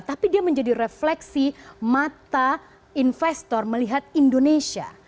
tapi di refleksi mata investor melihat indonesia